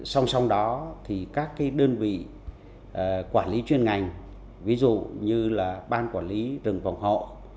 song song đó thì các đơn vị quản lý chuyên ngành ví dụ như là ban quản lý rừng phòng hộ